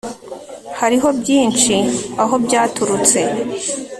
Hariho byinshi aho byaturutse